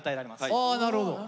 あなるほど。